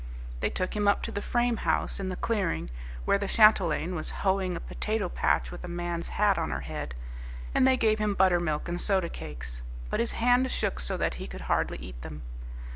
They took him up to the frame house in the clearing, where the chatelaine was hoeing a potato patch with a man's hat on her head, and they gave him buttermilk and soda cakes, but his hand shook so that he could hardly eat them.